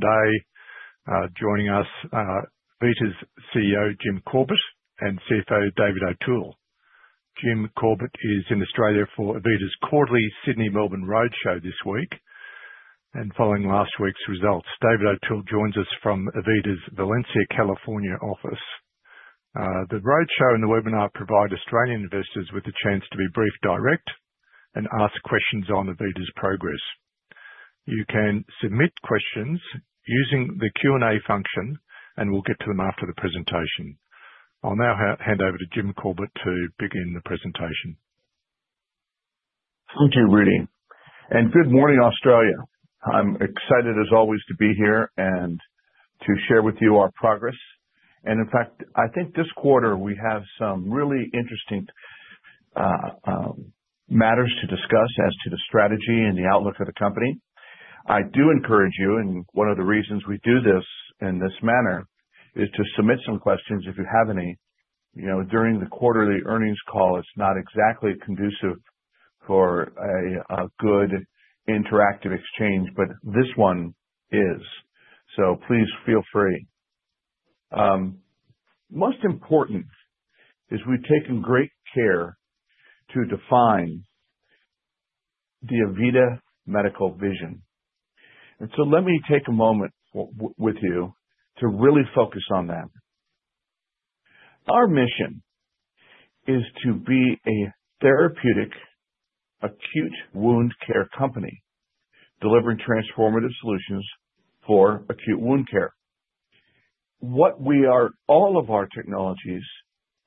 Today, joining us, AVITA's CEO Jim Corbett and CFO David O'Toole. Jim Corbett is in Australia for AVITA's quarterly Sydney-Melbourne Roadshow this week, and following last week's results, David O'Toole joins us from AVITA's Valencia, California, office. The Roadshow and the webinar provide Australian investors with the chance to be brief, direct, and ask questions on AVITA's progress. You can submit questions using the Q&A function, and we'll get to them after the presentation. I'll now hand over to Jim Corbett to begin the presentation. Thank you, Rudy. Good morning, Australia. I'm excited, as always, to be here and to share with you our progress. In fact, I think this quarter we have some really interesting matters to discuss as to the strategy and the outlook of the company. I do encourage you, and one of the reasons we do this in this manner is to submit some questions if you have any. During the quarterly earnings call, it's not exactly conducive for a good interactive exchange, but this one is. Please feel free. Most important is we've taken great care to define the AVITA medical vision. Let me take a moment with you to really focus on that. Our mission is to be a therapeutic acute wound care company delivering transformative solutions for acute wound care. All of our technologies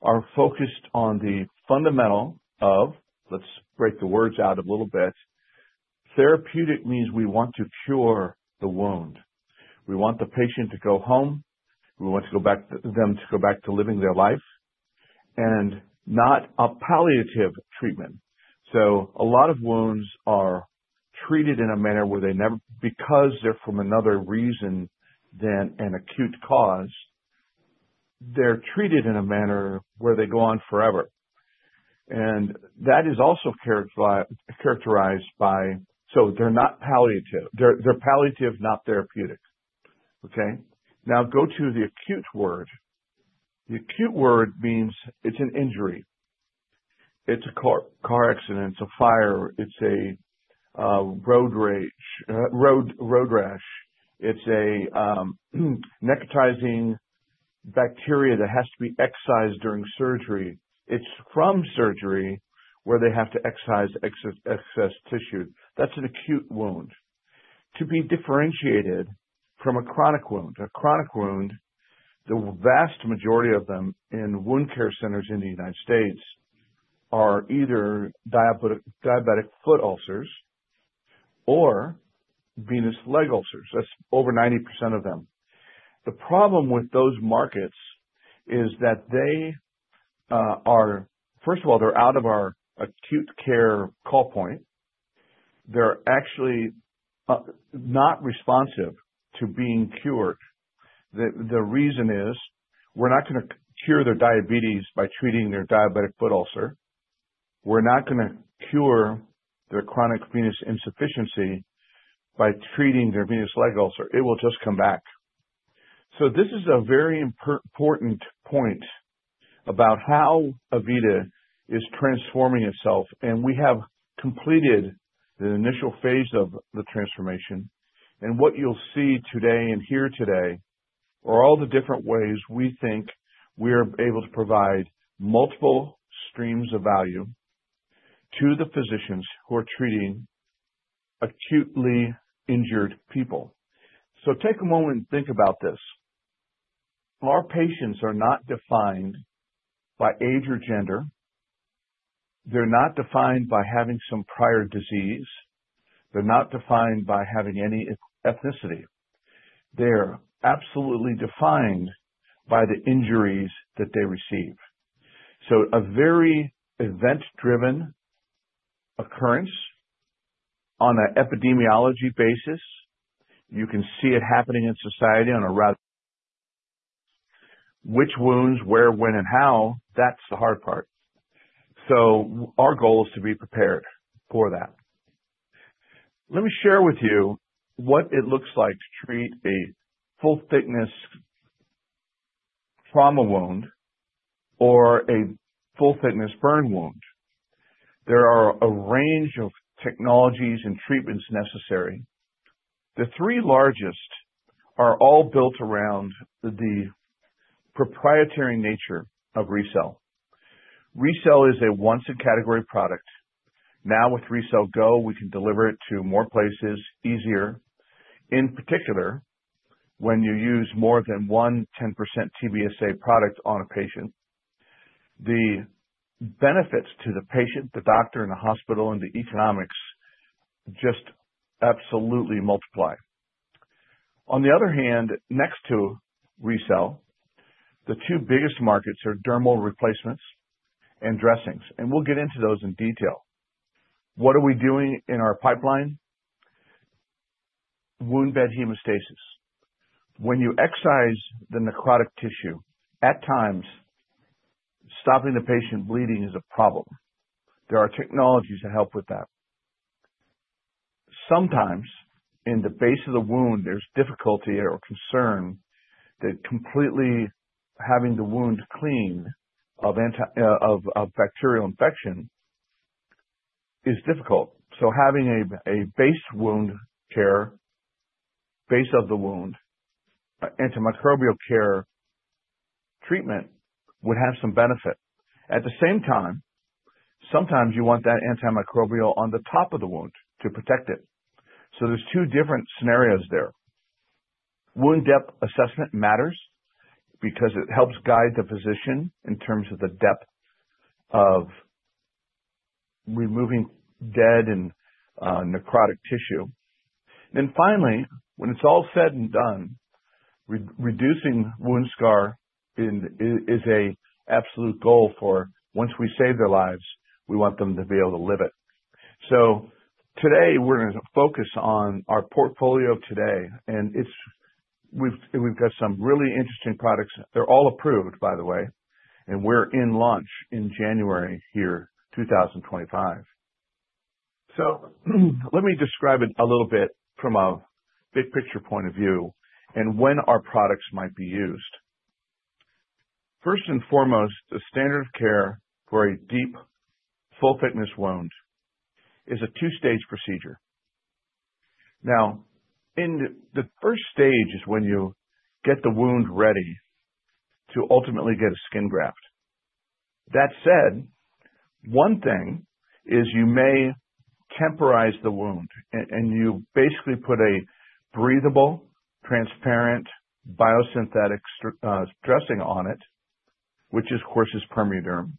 are focused on the fundamental of, let's break the words out a little bit, therapeutic means we want to cure the wound. We want the patient to go home. We want them to go back to living their life, and not a palliative treatment. A lot of wounds are treated in a manner where they never, because they're from another reason than an acute cause, they're treated in a manner where they go on forever. That is also characterized by, so they're not palliative. They're palliative, not therapeutic. Okay? Now go to the acute word. The acute word means it's an injury. It's a car accident. It's a fire. It's a road rash. It's a necrotizing bacteria that has to be excised during surgery. It's from surgery where they have to excise excess tissue. That's an acute wound. To be differentiated from a chronic wound. A chronic wound, the vast majority of them in wound care centers in the United States are either diabetic foot ulcers or venous leg ulcers. That's over 90% of them. The problem with those markets is that they are, first of all, they're out of our acute care call point. They're actually not responsive to being cured. The reason is we're not going to cure their diabetes by treating their diabetic foot ulcer. We're not going to cure their chronic venous insufficiency by treating their venous leg ulcer. It will just come back. This is a very important point about how AVITA is transforming itself. We have completed the initial phase of the transformation. What you'll see today and hear today are all the different ways we think we are able to provide multiple streams of value to the physicians who are treating acutely injured people. Take a moment and think about this. Our patients are not defined by age or gender. They're not defined by having some prior disease. They're not defined by having any ethnicity. They're absolutely defined by the injuries that they receive. A very event-driven occurrence on an epidemiology basis. You can see it happening in society on a rather—which wounds, where, when, and how, that's the hard part. Our goal is to be prepared for that. Let me share with you what it looks like to treat a full-thickness trauma wound or a full-thickness burn wound. There are a range of technologies and treatments necessary. The three largest are all built around the proprietary nature of RECELL. RECELL is a once-in-category product. Now with RECELL Go, we can deliver it to more places easier. In particular, when you use more than one 10% TBSA product on a patient, the benefits to the patient, the doctor, and the hospital and the economics just absolutely multiply. On the other hand, next to RECELL, the two biggest markets are dermal replacements and dressings. We will get into those in detail. What are we doing in our pipeline? Wound bed hemostasis. When you excise the necrotic tissue, at times, stopping the patient bleeding is a problem. There are technologies that help with that. Sometimes, in the base of the wound, there is difficulty or concern that completely having the wound cleaned of bacterial infection is difficult. Having a base wound care, base of the wound, antimicrobial care treatment would have some benefit. At the same time, sometimes you want that antimicrobial on the top of the wound to protect it. There are two different scenarios there. Wound depth assessment matters because it helps guide the physician in terms of the depth of removing dead and necrotic tissue. Finally, when it is all said and done, reducing wound scar is an absolute goal for once we save their lives, we want them to be able to live it. Today, we are going to focus on our portfolio today. We have got some really interesting products. They are all approved, by the way. We are in launch in January here, 2025. Let me describe it a little bit from a big picture point of view and when our products might be used. First and foremost, the standard of care for a deep full-thickness wound is a two-stage procedure. Now, the first stage is when you get the wound ready to ultimately get a skin graft. That said, one thing is you may temporize the wound. You basically put a breathable, transparent, biosynthetic dressing on it, which is, of course, PermeaDerm.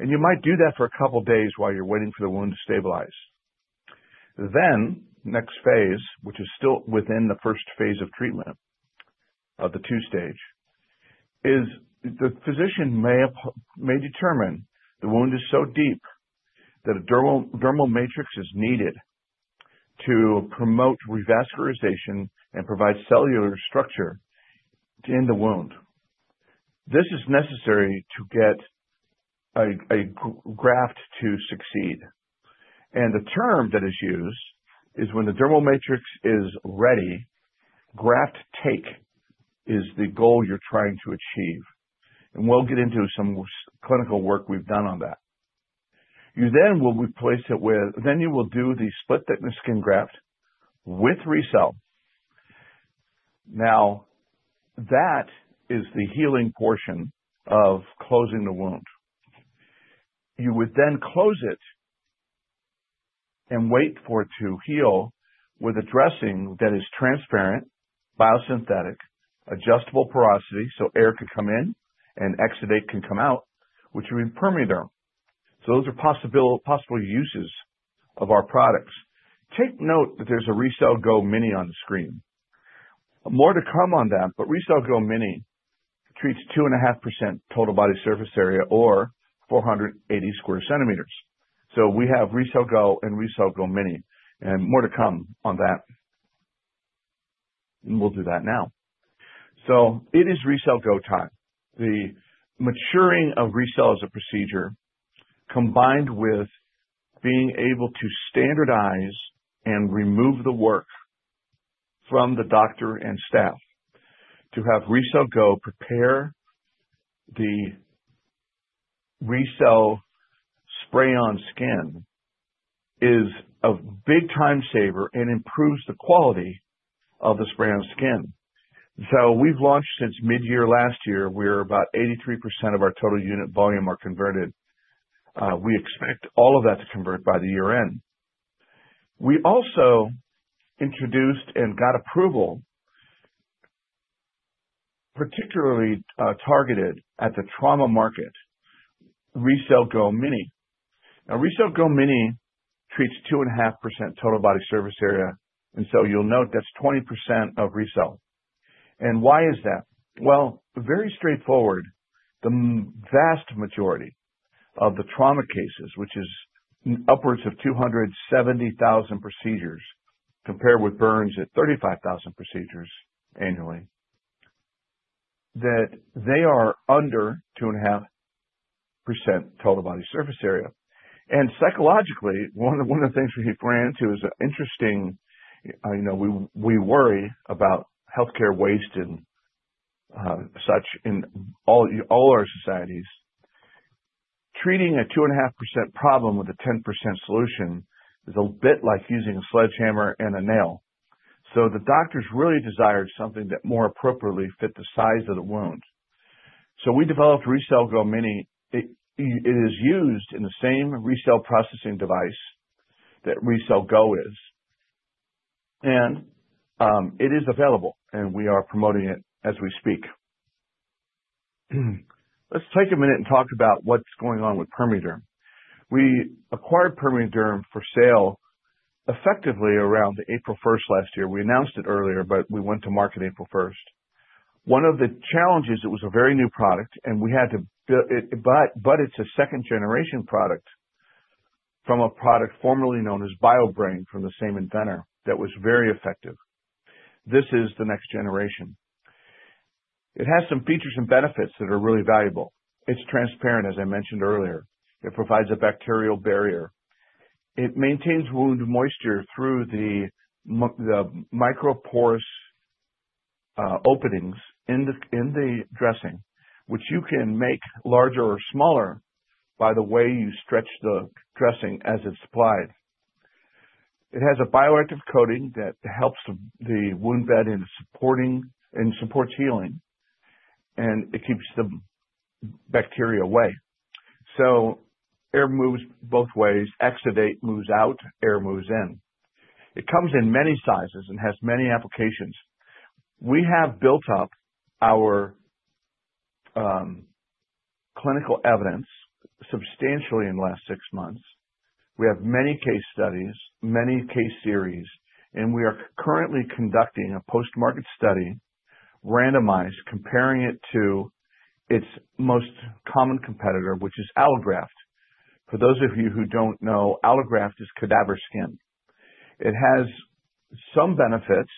You might do that for a couple of days while you're waiting for the wound to stabilize. Next phase, which is still within the first phase of treatment of the two-stage, is the physician may determine the wound is so deep that a dermal matrix is needed to promote revascularization and provide cellular structure in the wound. This is necessary to get a graft to succeed. The term that is used is when the dermal matrix is ready, graft take is the goal you're trying to achieve. We will get into some clinical work we have done on that. You then will replace it with, then you will do the split-thickness skin graft with RECELL. That is the healing portion of closing the wound. You would then close it and wait for it to heal with a dressing that is transparent, biosynthetic, adjustable porosity, so air can come in and exudate can come out, which would be PermeaDerm. Those are possible uses of our products. Take note that there is a RECELL Go mini on the screen. More to come on that, but RECELL Go mini treats 2.5% total body surface area or 480 sq cm. We have RECELL Go and RECELL Go mini. More to come on that. We will do that now. It is RECELL Go time. The maturing of RECELL as a procedure combined with being able to standardize and remove the work from the doctor and staff to have RECELL Go prepare the RECELL spray-on skin is a big time saver and improves the quality of the spray-on skin. We have launched since mid-year last year, where about 83% of our total unit volume are converted. We expect all of that to convert by the year end. We also introduced and got approval, particularly targeted at the trauma market, RECELL Go mini. Now, RECEL Go mini treats 2.5% total body surface area. You will note that is 20% of RECELL. Why is that? Very straightforward. The vast majority of the trauma cases, which is upwards of 270,000 procedures compared with burns at 35,000 procedures annually, are under 2.5% total body surface area. Psychologically, one of the things we ran into is interesting—we worry about healthcare waste and such in all our societies. Treating a 2.5% problem with a 10% solution is a bit like using a sledgehammer and a nail. The doctors really desired something that more appropriately fit the size of the wound. We developed RECELL Go mini. It is used in the same RECELL processing device that RECELL Go is. It is available, and we are promoting it as we speak. Let's take a minute and talk about what is going on with PermeaDerm. We acquired PermeaDerm for sale effectively around April 1st last year. We announced it earlier, but we went to market April 1st. One of the challenges—it was a very new product, and we had to build it, but it's a second-generation product from a product formerly known as BioBrain from the same inventor that was very effective. This is the next generation. It has some features and benefits that are really valuable. It's transparent, as I mentioned earlier. It provides a bacterial barrier. It maintains wound moisture through the microporous openings in the dressing, which you can make larger or smaller by the way you stretch the dressing as it's applied. It has a bioactive coating that helps the wound bed and supports healing. It keeps the bacteria away. Air moves both ways. Exudate moves out. Air moves in. It comes in many sizes and has many applications. We have built up our clinical evidence substantially in the last six months. We have many case studies, many case series. We are currently conducting a post-market study, randomized, comparing it to its most common competitor, which is allograft. For those of you who don't know, allograft is cadaver skin. It has some benefits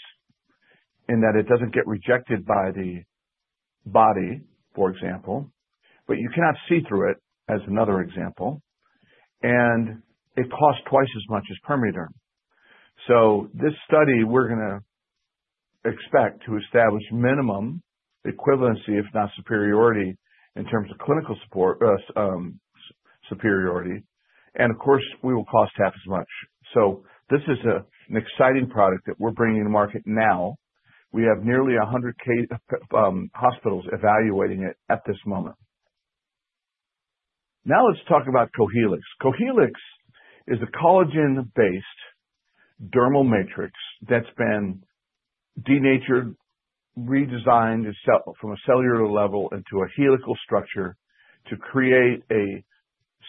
in that it doesn't get rejected by the body, for example, but you cannot see through it, as another example. It costs twice as much as PermeaDerm. This study, we're going to expect to establish minimum equivalency, if not superiority, in terms of clinical superiority. Of course, we will cost half as much. This is an exciting product that we're bringing to market now. We have nearly 100 hospitals evaluating it at this moment. Now, let's talk about Cohealyx. Cohealyx is a collagen-based dermal matrix that's been denatured, redesigned from a cellular level into a helical structure to create a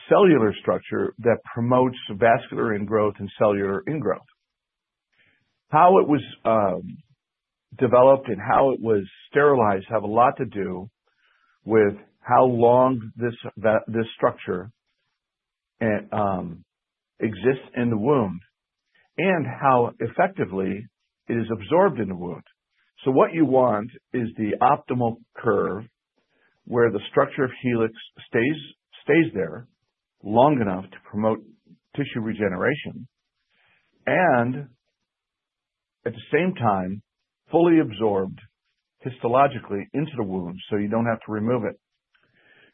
cellular structure that promotes vascular ingrowth and cellular ingrowth. How it was developed and how it was sterilized has a lot to do with how long this structure exists in the wound and how effectively it is absorbed in the wound. What you want is the optimal curve where the structure of Cohealyx stays there long enough to promote tissue regeneration and, at the same time, fully absorbed histologically into the wound so you don't have to remove it.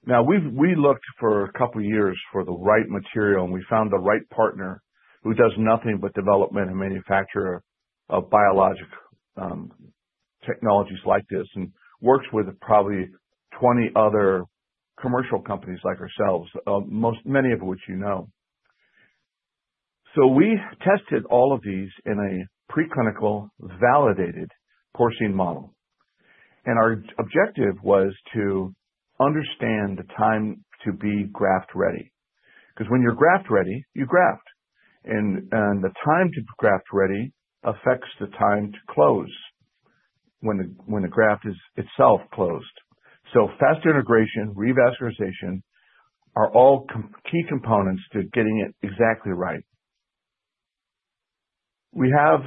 We looked for a couple of years for the right material, and we found the right partner who does nothing but development and manufacture of biologic technologies like this and works with probably 20 other commercial companies like ourselves, many of which you know. We tested all of these in a preclinical validated porcine model. Our objective was to understand the time to be graft ready. Because when you're graft ready, you graft. The time to be graft ready affects the time to close when the graft itself closed. Fast integration, revascularization are all key components to getting it exactly right. We have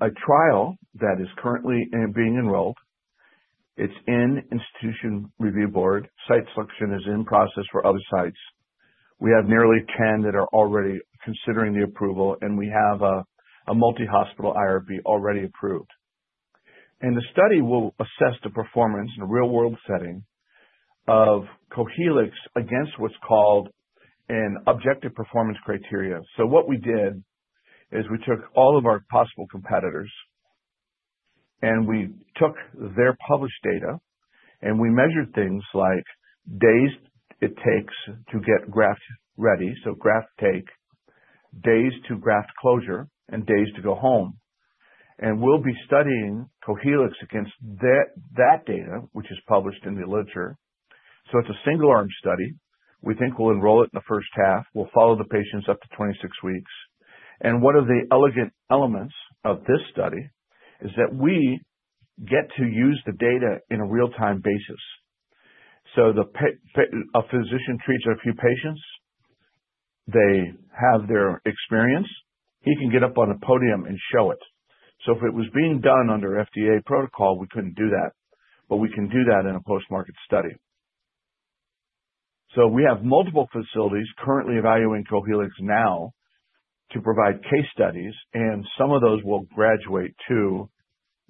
a trial that is currently being enrolled. It is in institution review board. Site selection is in process for other sites. We have nearly 10 that are already considering the approval. We have a multi-hospital IRB already approved. The study will assess the performance in a real-world setting of Cohealyx against what is called an objective performance criteria. What we did is we took all of our possible competitors, and we took their published data, and we measured things like days it takes to get graft ready. Graft take, days to graft closure, and days to go home. We will be studying Cohealyx against that data, which is published in the literature. It's a single-arm study. We think we'll enroll it in the first half. We'll follow the patients up to 26 weeks. One of the elegant elements of this study is that we get to use the data in a real-time basis. A physician treats a few patients. They have their experience. He can get up on a podium and show it. If it was being done under FDA protocol, we couldn't do that. We can do that in a post-market study. We have multiple facilities currently evaluating Cohealyx now to provide case studies. Some of those will graduate to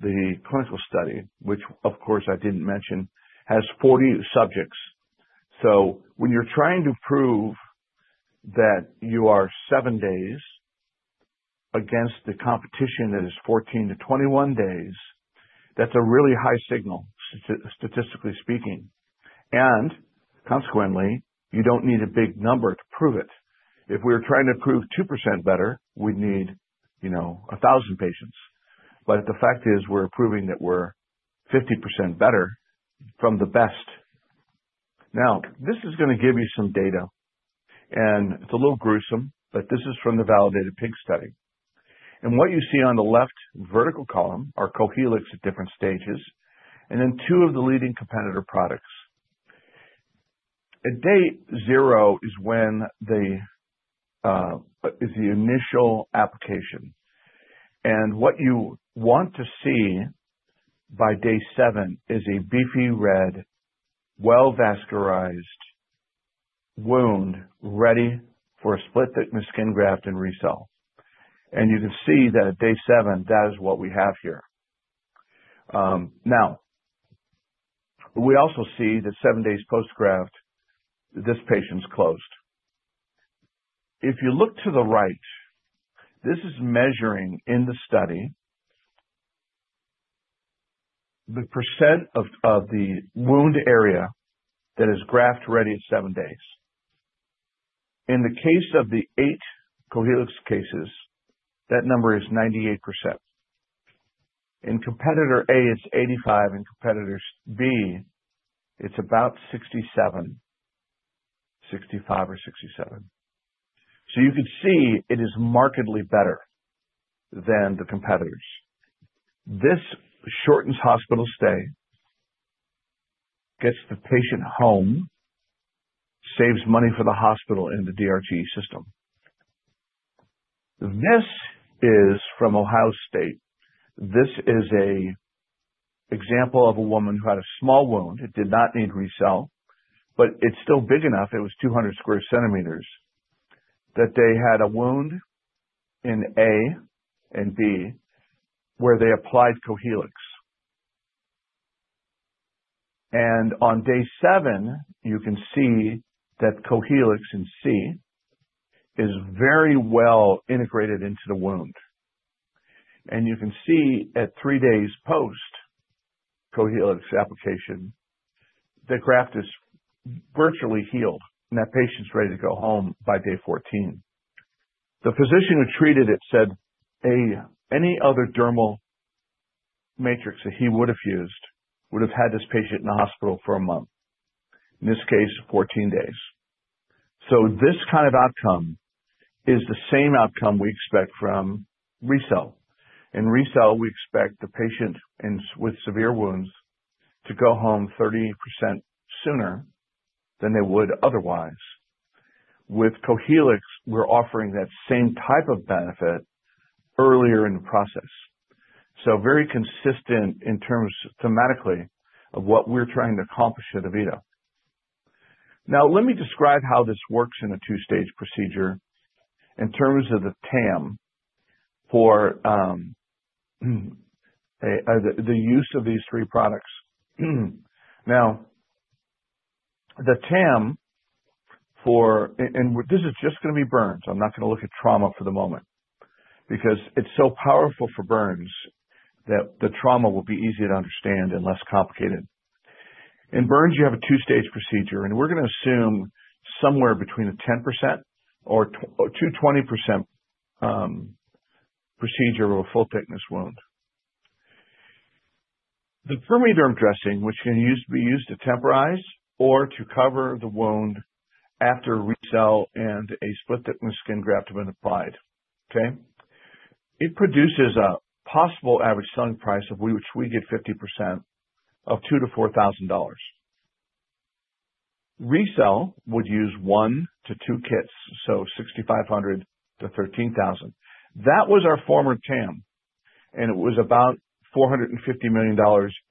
the clinical study, which, of course, I didn't mention, has 40 subjects. When you're trying to prove that you are seven days against the competition that is 14 to 21 days, that's a really high signal, statistically speaking. Consequently, you don't need a big number to prove it. If we were trying to prove 2% better, we'd need 1,000 patients. The fact is we're proving that we're 50% better from the best. This is going to give you some data. It's a little gruesome, but this is from the validated pig study. What you see on the left vertical column are Cohealyx at different stages, and then two of the leading competitor products. At day zero is the initial application. What you want to see by day seven is a beefy red, well-vascularized wound ready for a split-thickness skin graft and RECELL. You can see that at day seven, that is what we have here. We also see that seven days post-graft, this patient's closed. If you look to the right, this is measuring in the study the percent of the wound area that is graft ready at seven days. In the case of the eight Cohealyx cases, that number is 98%. In competitor A, it's 85%. In competitor B, it's about 67%, 65% or 67%. You can see it is markedly better than the competitors. This shortens hospital stay, gets the patient home, saves money for the hospital and the DRT system. This is from Ohio State. This is an example of a woman who had a small wound. It did not need RECELL, but it's still big enough. It was 200 sq cm that they had a wound in A and B where they applied Cohealyx. On day seven, you can see that Cohealyx in C is very well integrated into the wound. You can see at three days post-Cohealyx application, the graft is virtually healed, and that patient's ready to go home by day 14. The physician who treated it said any other dermal matrix that he would have used would have had this patient in the hospital for a month, in this case, 14 days. This kind of outcome is the same outcome we expect from RECELL. In RECELL, we expect the patient with severe wounds to go home 30% sooner than they would otherwise. With Cohealyx, we're offering that same type of benefit earlier in the process. Very consistent thematically of what we're trying to accomplish at AVITA. Now, let me describe how this works in a two-stage procedure in terms of the TAM for the use of these three products. Now, the TAM for—and this is just going to be burns. I'm not going to look at trauma for the moment because it's so powerful for burns that the trauma will be easier to understand and less complicated. In burns, you have a two-stage procedure. We're going to assume somewhere between a 10% or 220% procedure of a full-thickness wound. The PermeaDerm dressing, which can be used to temporize or to cover the wound after RECELL and a split-thickness skin graft have been applied, okay, it produces a possible average selling price of which we get 50% of $2,000-$4,000. RECELL would use one to two kits, so $6,500-$13,000. That was our former TAM. It was about $450 million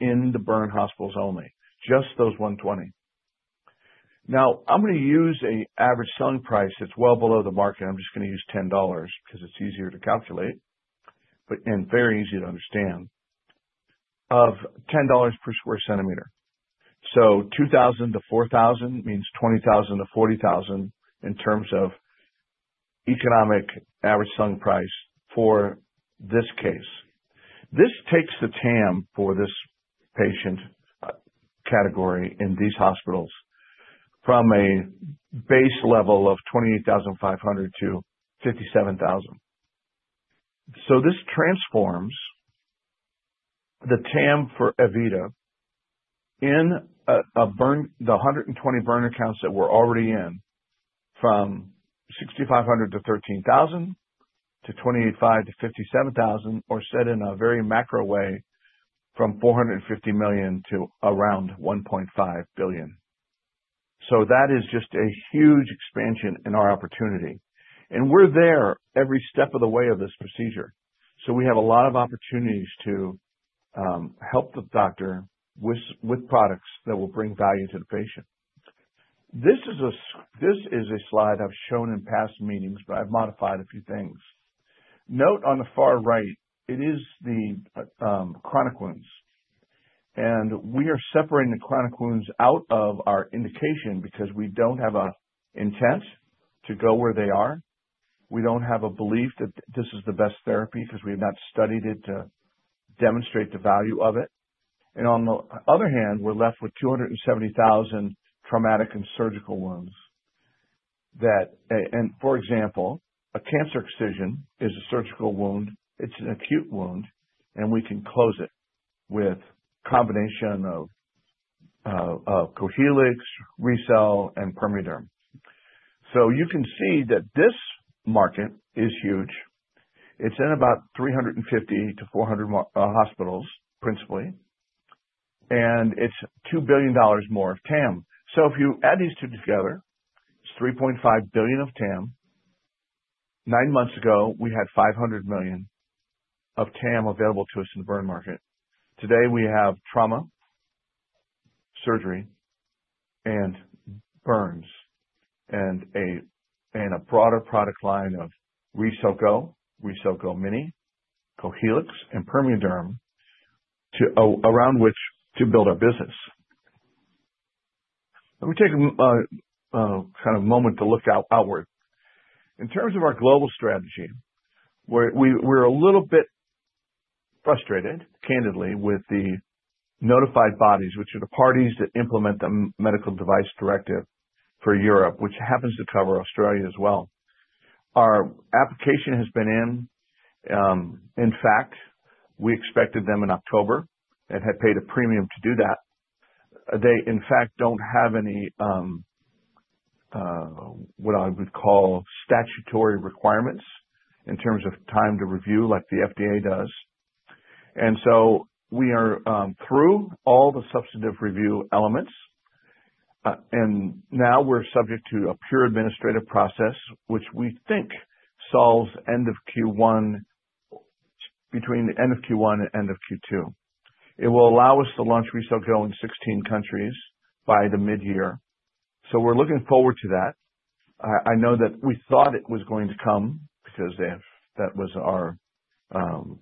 in the burn hospitals only, just those 120. Now, I'm going to use an average selling price that's well below the market. I'm just going to use $10 because it's easier to calculate and very easy to understand of $10 per square centimeter. So 2,000 to 4,000 means 20,000 to 40,000 in terms of economic average selling price for this case. This takes the TAM for this patient category in these hospitals from a base level of 28,500 to 57,000. This transforms the TAM for AVITA in the 120 burn accounts that we're already in from 6,500 to 13,000 to 28,500 to 57,000, or said in a very macro way, from $450 million to around $1.5 billion. That is just a huge expansion in our opportunity. We're there every step of the way of this procedure. We have a lot of opportunities to help the doctor with products that will bring value to the patient. This is a slide I've shown in past meetings, but I've modified a few things. Note on the far right, it is the chronic wounds. We are separating the chronic wounds out of our indication because we don't have an intent to go where they are. We don't have a belief that this is the best therapy because we have not studied it to demonstrate the value of it. On the other hand, we're left with 270,000 traumatic and surgical wounds. For example, a cancer excision is a surgical wound. It's an acute wound, and we can close it with a combination of Cohealyx, RECELL, and PermeaDerm. You can see that this market is huge. It's in about 350 to 400 hospitals principally. It's $2 billion more of TAM. If you add these two together, it's $3.5 billion of TAM. Nine months ago, we had $500 million of TAM available to us in the burn market. Today, we have trauma, surgery, and burns, and a broader product line of RECELL Go, RECELL Go mini, Cohealyx, and PermeaDerm around which to build our business. Let me take a kind of moment to look outward. In terms of our global strategy, we're a little bit frustrated, candidly, with the notified bodies, which are the parties that implement the medical device directive for Europe, which happens to cover Australia as well. Our application has been in. In fact, we expected them in October and had paid a premium to do that. They, in fact, don't have any what I would call statutory requirements in terms of time to review, like the FDA does. We are through all the substantive review elements. We are now subject to a pure administrative process, which we think solves end of Q1 between end of Q1 and end of Q2. It will allow us to launch RECELL Go in 16 countries by the mid-year. We are looking forward to that. I know that we thought it was going to come because that was our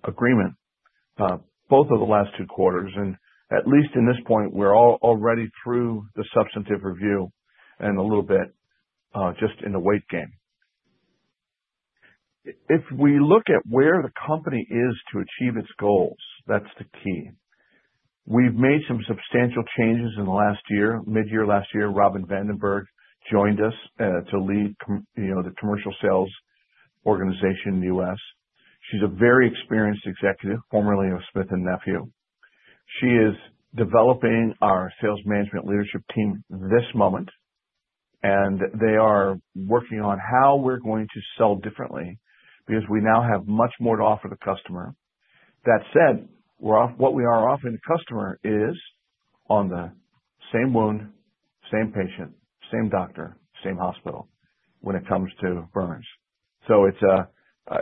agreement, both of the last two quarters. At least at this point, we are already through the substantive review and a little bit just in the wait game. If we look at where the company is to achieve its goals, that is the key. We have made some substantial changes in the last year. Mid-year last year, Robin Vandenberg joined us to lead the commercial sales organization in the U.S. She is a very experienced executive, formerly of Smith & Nephew. She is developing our sales management leadership team at this moment. They are working on how we're going to sell differently because we now have much more to offer the customer. That said, what we are offering the customer is on the same wound, same patient, same doctor, same hospital when it comes to burns. It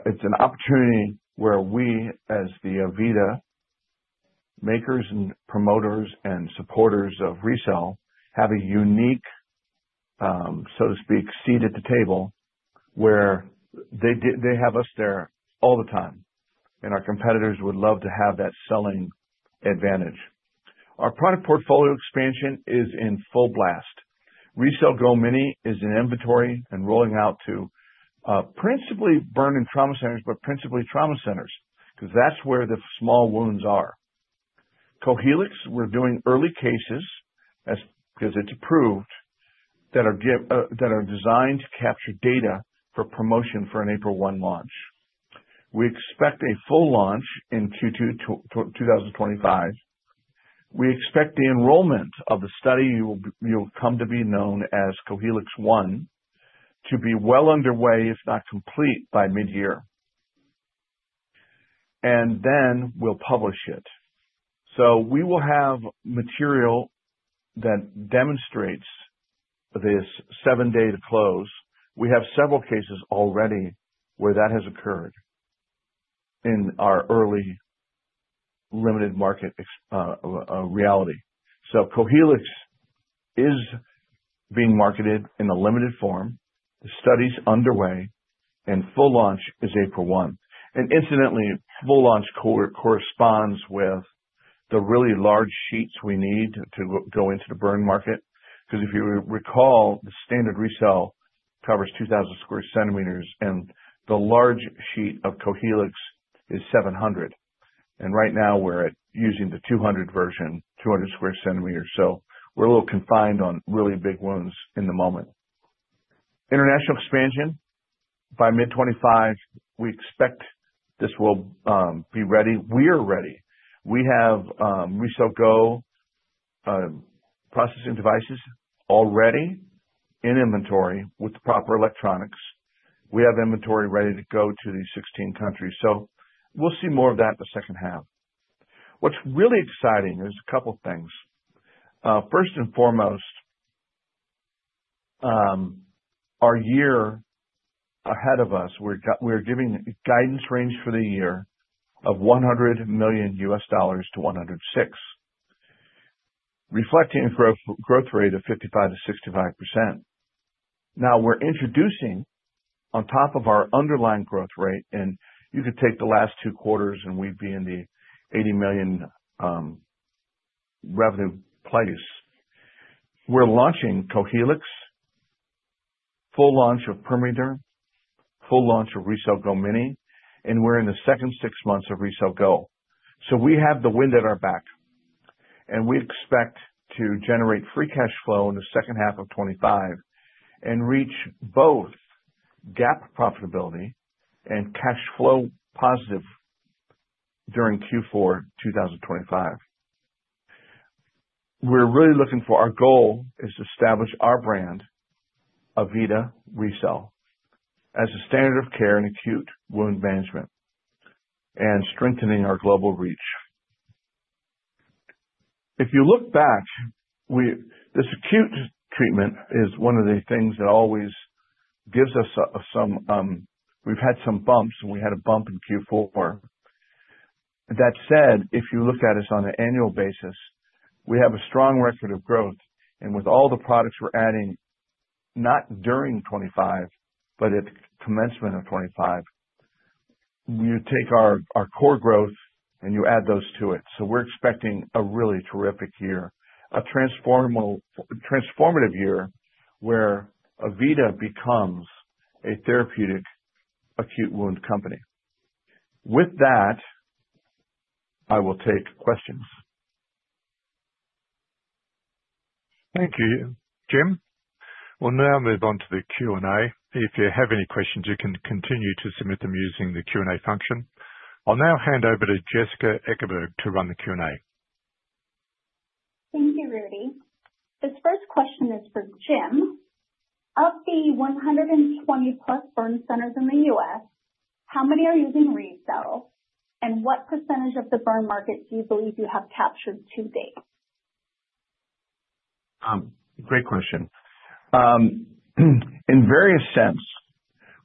is an opportunity where we, as the AVITA makers and promoters and supporters of RECELL, have a unique, so to speak, seat at the table where they have us there all the time. Our competitors would love to have that selling advantage. Our product portfolio expansion is in full blast. RECELL Go mini is in inventory and rolling out to principally burn and trauma centers, but principally trauma centers because that's where the small wounds are. Cohealyx, we're doing early cases because it's approved that are designed to capture data for promotion for an April 1 launch. We expect a full launch in Q2 2025. We expect the enrollment of the study you'll come to be known as Cohealyx 1 to be well underway, if not complete, by mid-year. We will publish it. We will have material that demonstrates this seven-day to close. We have several cases already where that has occurred in our early limited market reality. Cohealyx is being marketed in a limited form. The study's underway, and full launch is April 1. Incidentally, full launch corresponds with the really large sheets we need to go into the burn market because if you recall, the standard RECELL covers 2,000 sq cm, and the large sheet of Cohealyx is 700. Right now, we're using the 200 version, 200 sq cm. We're a little confined on really big wounds in the moment. International expansion by mid-2025. We expect this will be ready. We are ready. We have RECELL Go processing devices already in inventory with proper electronics. We have inventory ready to go to the 16 countries. We will see more of that in the second half. What's really exciting is a couple of things. First and foremost, our year ahead of us, we're giving guidance range for the year of $100 million-$106 million, reflecting a growth rate of 55%-65%. Now, we're introducing, on top of our underlying growth rate, and you could take the last two quarters, and we'd be in the $80 million revenue place. We're launching Cohealyx, full launch of PermeaDerm, full launch of RECELL Go mini, and we're in the second six months of RECELL Go. We have the wind at our back. We expect to generate free cash flow in the second half of 2025 and reach both GAAP profitability and cash flow positive during Q4 2025. We are really looking for our goal to establish our brand, AVITA RECELL, as a standard of care in acute wound management and strengthening our global reach. If you look back, this acute treatment is one of the things that always gives us some—we have had some bumps, and we had a bump in Q4. That said, if you look at us on an annual basis, we have a strong record of growth. With all the products we are adding, not during 2025, but at the commencement of 2025, you take our core growth and you add those to it. We are expecting a really terrific year, a transformative year where AVITA becomes a therapeutic acute wound company. With that, I will take questions. Thank you, Jim. We'll now move on to the Q&A. If you have any questions, you can continue to submit them using the Q&A function. I'll now hand over to Jessica Ekeberg to run the Q&A. Thank you, Rudy. This first question is for Jim. Of the 120-plus burn centers in the U.S., how many are using RECELL? And what percentage of the burn market do you believe you have captured to date? Great question. In various sense,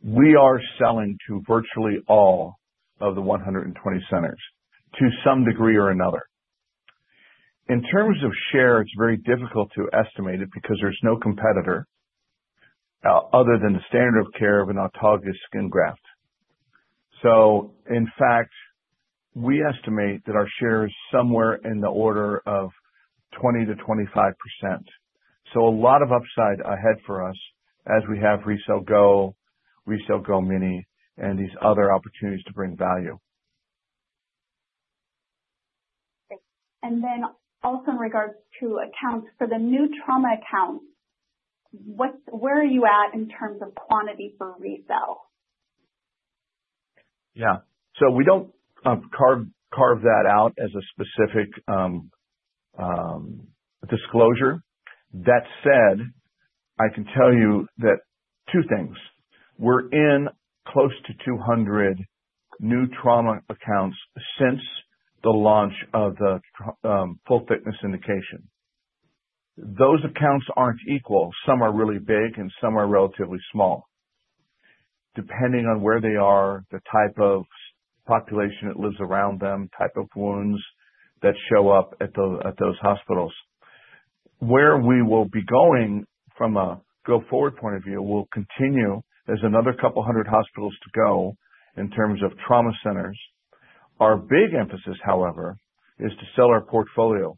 we are selling to virtually all of the 120 centers to some degree or another. In terms of share, it's very difficult to estimate it because there's no competitor other than the standard of care of an autologous skin graft. In fact, we estimate that our share is somewhere in the order of 20%-25%. A lot of upside ahead for us as we have RECELL Go, RECELL Go mini, and these other opportunities to bring value. Also in regards to accounts, for the new trauma accounts, where are you at in terms of quantity for RECELL? Yeah. We don't carve that out as a specific disclosure. That said, I can tell you two things. We're in close to 200 new trauma accounts since the launch of the full-thickness indication. Those accounts aren't equal. Some are really big, and some are relatively small, depending on where they are, the type of population that lives around them, type of wounds that show up at those hospitals. Where we will be going from a go-forward point of view will continue as another couple hundred hospitals to go in terms of trauma centers. Our big emphasis, however, is to sell our portfolio.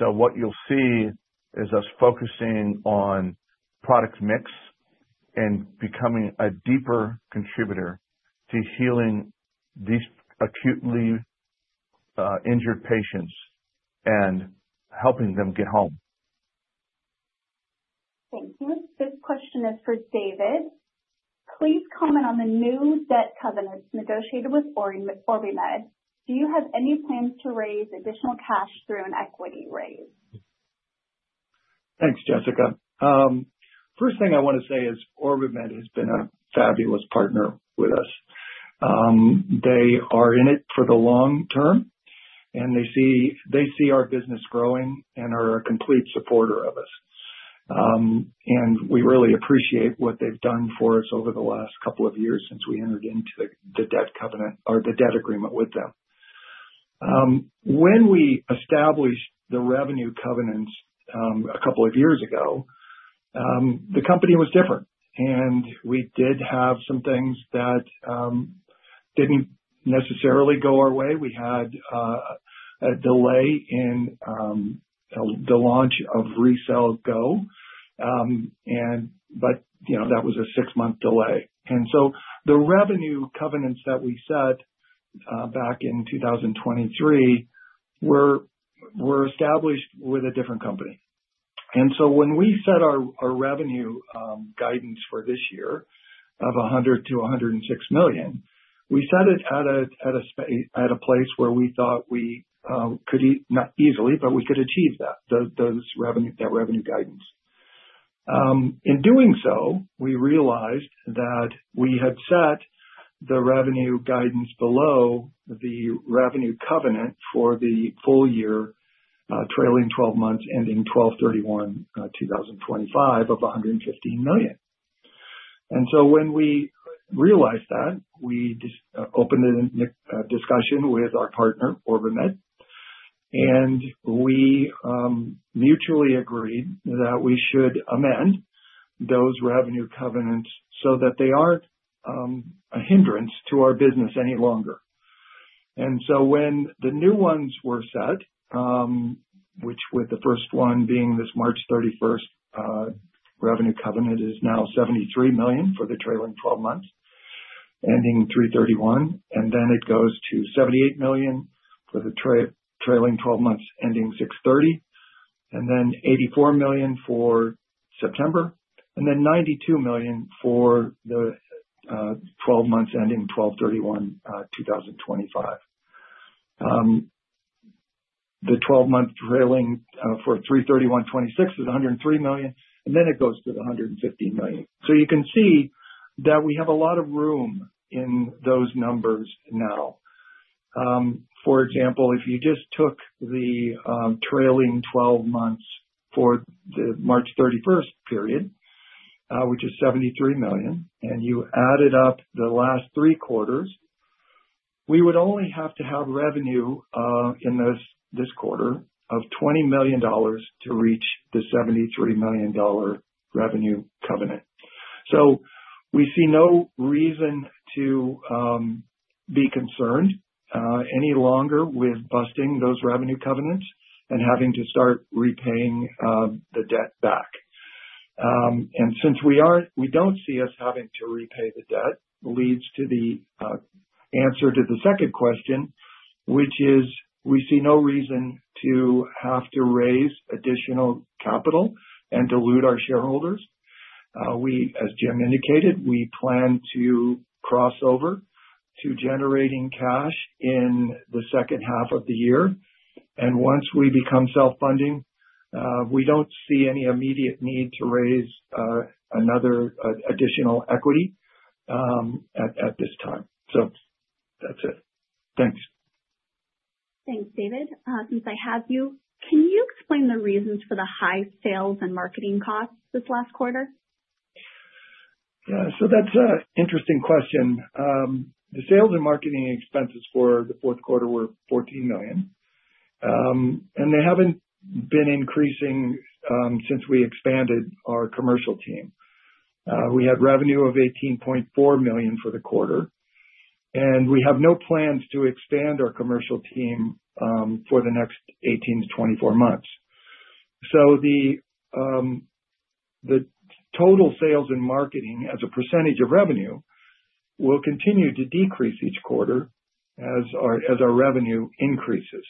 What you'll see is us focusing on product mix and becoming a deeper contributor to healing these acutely injured patients and helping them get home. Thank you. This question is for David. Please comment on the new debt covenants negotiated with OrbiMed. Do you have any plans to raise additional cash through an equity raise? Thanks, Jessica. First thing I want to say is OrbiMed has been a fabulous partner with us. They are in it for the long term, and they see our business growing and are a complete supporter of us. We really appreciate what they've done for us over the last couple of years since we entered into the debt covenant or the debt agreement with them. When we established the revenue covenants a couple of years ago, the company was different. We did have some things that did not necessarily go our way. We had a delay in the launch of RECELL Go, but that was a six-month delay. The revenue covenants that we set back in 2023 were established with a different company. When we set our revenue guidance for this year of $100 million-$106 million, we set it at a place where we thought we could easily, but we could achieve that revenue guidance. In doing so, we realized that we had set the revenue guidance below the revenue covenant for the full year, trailing twelve months, ending 12/31/2025 of $115 million. When we realized that, we opened a discussion with our partner, OrbiMed, and we mutually agreed that we should amend those revenue covenants so that they are not a hindrance to our business any longer. When the new ones were set, with the first one being this March 31st, the revenue covenant is now $73 million for the trailing 12 months ending 3/31/2025. It goes to $78 million for the trailing 12 months ending 6/30/2025, and then $84 million for September, and then $92 million for the 12 months ending 12/31/2025. The 12-month trailing for 3/31/2026 is $103 million, and then it goes to the $115 million. You can see that we have a lot of room in those numbers now. For example, if you just took the trailing 12 months for the March 31st period, which is $73 million, and you added up the last three quarters, we would only have to have revenue in this quarter of $20 million to reach the $73 million revenue covenant. We see no reason to be concerned any longer with busting those revenue covenants and having to start repaying the debt back. Since we do not see us having to repay the debt, that leads to the answer to the second question, which is we see no reason to have to raise additional capital and dilute our shareholders. As Jim indicated, we plan to cross over to generating cash in the second half of the year. Once we become self-funding, we do not see any immediate need to raise another additional equity at this time. That is it. Thanks. Thanks, David. Since I have you, can you explain the reasons for the high sales and marketing costs this last quarter? Yeah. That is an interesting question. The sales and marketing expenses for the fourth quarter were $14 million, and they have not been increasing since we expanded our commercial team. We had revenue of $18.4 million for the quarter, and we have no plans to expand our commercial team for the next 18 to 24 months. The total sales and marketing as a percentage of revenue will continue to decrease each quarter as our revenue increases.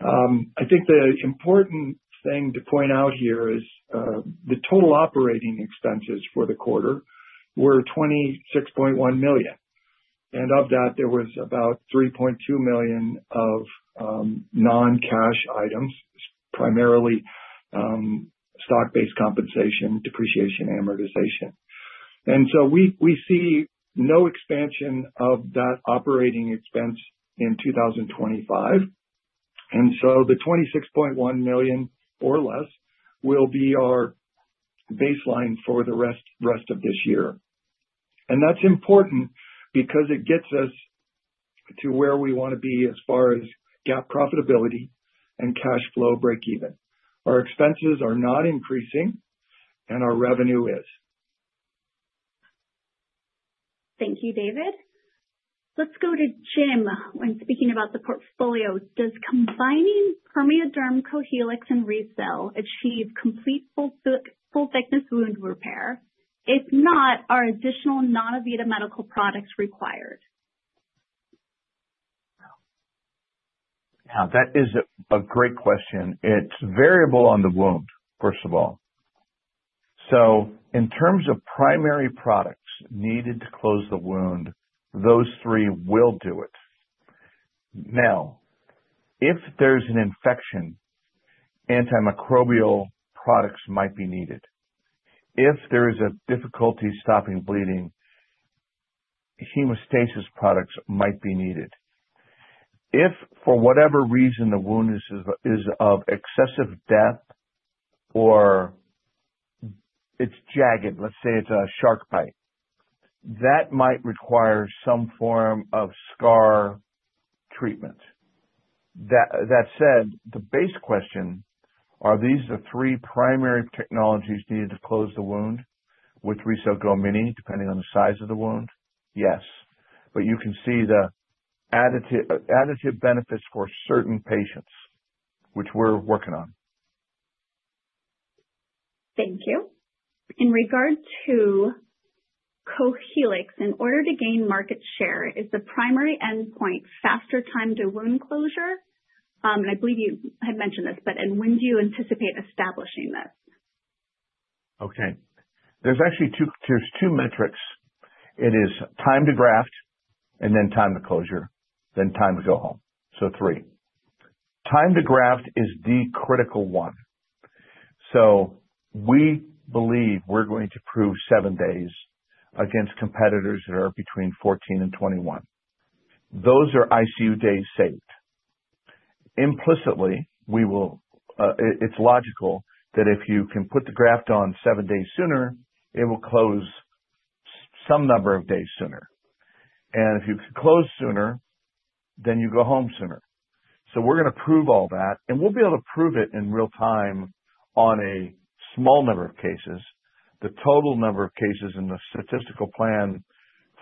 I think the important thing to point out here is the total operating expenses for the quarter were $26.1 million. Of that, there was about $3.2 million of non-cash items, primarily stock-based compensation, depreciation, amortization. We see no expansion of that operating expense in 2025. The $26.1 million or less will be our baseline for the rest of this year. That is important because it gets us to where we want to be as far as GAAP profitability and cash flow break-even. Our expenses are not increasing, and our revenue is. Thank you, David. Let's go to Jim. When speaking about the portfolio, does combining Permeaderm, Cohealyx, and RECELL achieve complete full-thickness wound repair? If not, are additional non-AVITA Medical products required? Now, that is a great question. It's variable on the wound, first of all. In terms of primary products needed to close the wound, those three will do it. If there's an infection, antimicrobial products might be needed. If there is a difficulty stopping bleeding, hemostasis products might be needed. If for whatever reason the wound is of excessive depth or it's jagged, let's say it's a shark bite, that might require some form of scar treatment. That said, the base question, are these the three primary technologies needed to close the wound with RECELL Go mini, depending on the size of the wound? Yes. You can see the additive benefits for certain patients, which we're working on. Thank you. In regards to Cohealyx, in order to gain market share, is the primary endpoint faster time to wound closure? I believe you had mentioned this, but when do you anticipate establishing this? Okay. There are actually two metrics. It is time to graft, and then time to closure, then time to go home. So three. Time to graft is the critical one. We believe we are going to prove seven days against competitors that are between 14 and 21. Those are ICU days saved. Implicitly, it is logical that if you can put the graft on seven days sooner, it will close some number of days sooner. If you can close sooner, then you go home sooner. We are going to prove all that, and we will be able to prove it in real time on a small number of cases. The total number of cases in the statistical plan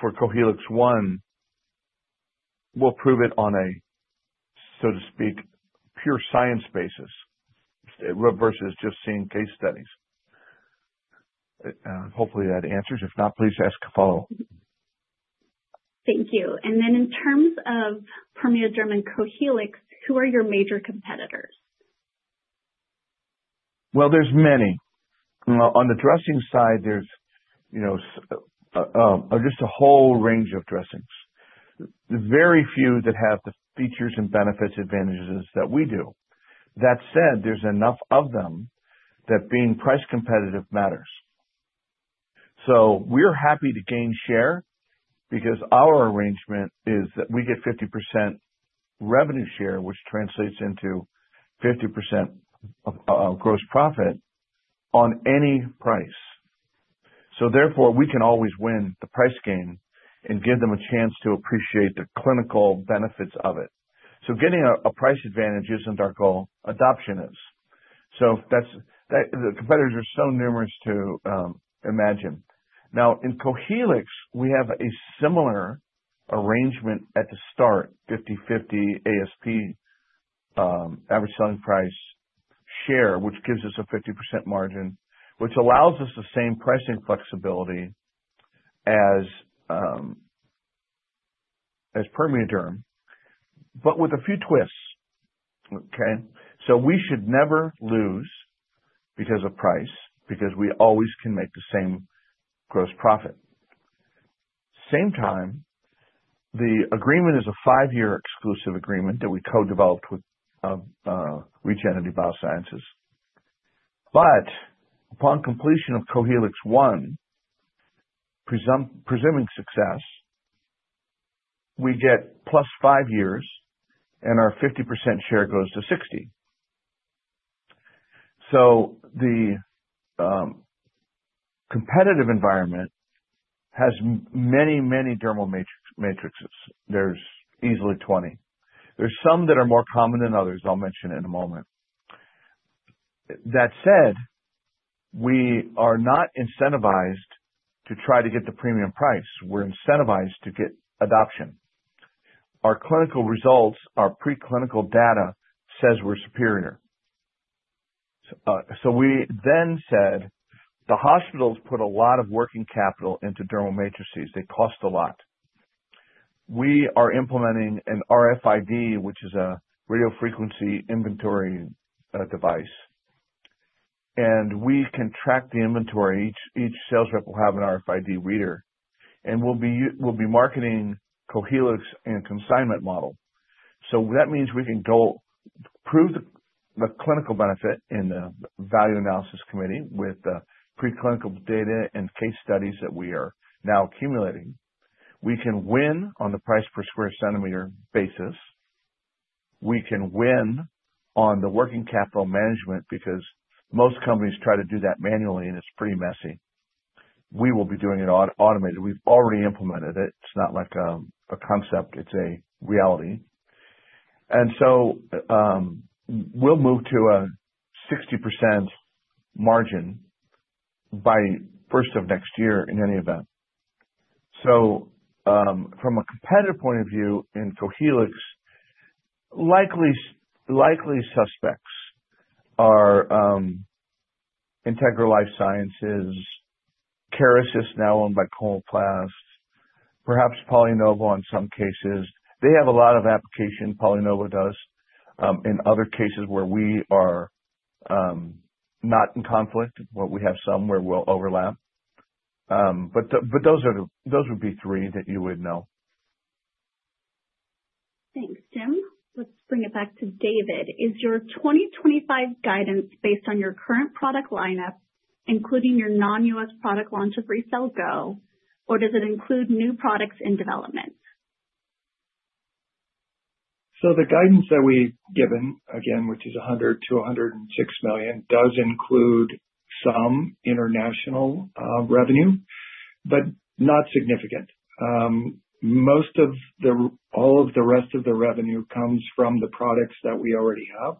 for Cohealyx will prove it on a, so to speak, pure science basis versus just seeing case studies. Hopefully, that answers. If not, please ask a follow-up. Thank you. In terms of PermeaDerm and Cohealyx, who are your major competitors? There are many. On the dressing side, there is just a whole range of dressings. Very few have the features and benefits advantages that we do. That said, there are enough of them that being price competitive matters. We are happy to gain share because our arrangement is that we get 50% revenue share, which translates into 50% gross profit on any price. Therefore, we can always win the price game and give them a chance to appreciate the clinical benefits of it. Getting a price advantage is not our goal. Adoption is. The competitors are so numerous to imagine. Now, in Cohealyx, we have a similar arrangement at the start, 50/50 ASP average selling price share, which gives us a 50% margin, which allows us the same pricing flexibility as PermeaDerm, but with a few twists. Okay? We should never lose because of price because we always can make the same gross profit. At the same time, the agreement is a five-year exclusive agreement that we co-developed with Regenerative Biosciences. Upon completion of Cohealyx I, presuming success, we get plus five years, and our 50% share goes to 60%. The competitive environment has many, many dermal matrices. There are easily 20. There are some that are more common than others. I'll mention it in a moment. That said, we are not incentivized to try to get the premium price. We're incentivized to get adoption. Our clinical results, our preclinical data says we're superior. We then said the hospitals put a lot of working capital into dermal matrices. They cost a lot. We are implementing an RFID, which is a radiofrequency inventory device. We can track the inventory. Each sales rep will have an RFID reader. We will be marketing Cohealyx and consignment model. That means we can prove the clinical benefit in the value analysis committee with the preclinical data and case studies that we are now accumulating. We can win on the price per square centimeter basis. We can win on the working capital management because most companies try to do that manually, and it's pretty messy. We will be doing it automated. We've already implemented it. It's not like a concept. It's a reality. We will move to a 60% margin by first of next year in any event. From a competitive point of view in Cohealyx, likely suspects are Integra LifeSciences, Kerecis now owned by Coloplast, perhaps PolyNovo in some cases. They have a lot of application, PolyNovo does, in other cases where we are not in conflict, but we have some where we will overlap. Those would be three that you would know. Thanks, Jim. Let's bring it back to David. Is your 2025 guidance based on your current product lineup, including your non-US product launch of RECELL Go, or does it include new products in development? The guidance that we've given, again, which is $100 million-$106 million, does include some international revenue, but not significant. Most of the rest of the revenue comes from the products that we already have,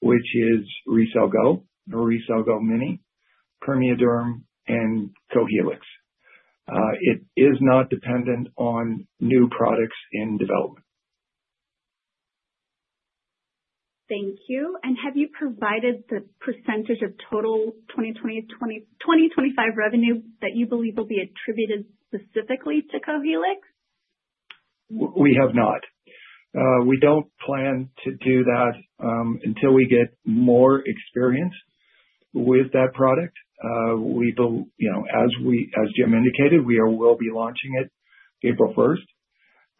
which is RECELL Go, RECELL Go mini, PermeaDerm, and Cohealyx. It is not dependent on new products in development. Thank you. Have you provided the percentage of total 2025 revenue that you believe will be attributed specifically to Cohealyx? We have not. We don't plan to do that until we get more experience with that product. As Jim indicated, we will be launching it April 1st.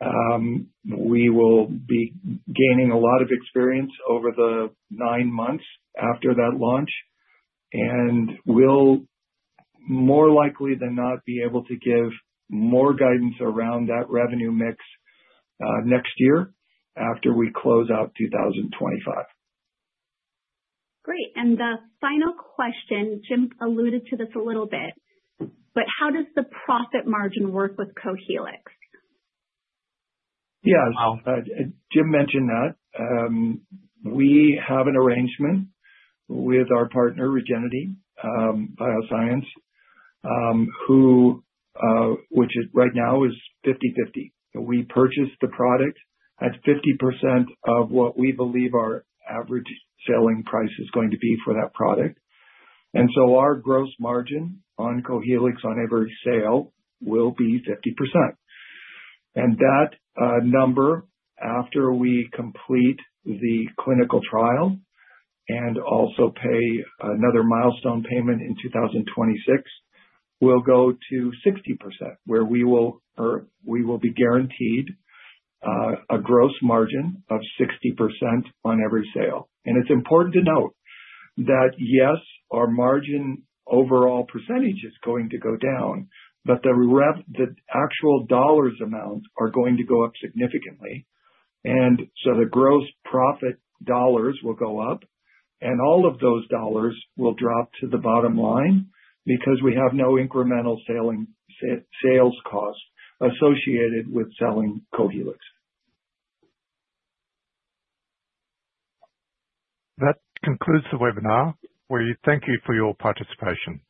We will be gaining a lot of experience over the nine months after that launch. We will more likely than not be able to give more guidance around that revenue mix next year after we close out 2025. Great. The final question, Jim alluded to this a little bit, how does the profit margin work with Cohealyx? Yeah. Jim mentioned that. We have an arrangement with our partner, Regenerative Biosciences, which right now is 50/50. We purchase the product at 50% of what we believe our average selling price is going to be for that product. Our gross margin on Cohealyx on every sale will be 50%. That number, after we complete the clinical trial and also pay another milestone payment in 2026, will go to 60%, where we will be guaranteed a gross margin of 60% on every sale. It is important to note that, yes, our margin overall percentage is going to go down, but the actual dollar amounts are going to go up significantly. The gross profit dollars will go up, and all of those dollars will drop to the bottom line because we have no incremental sales cost associated with selling Cohealyx. That concludes the webinar. We thank you for your participation.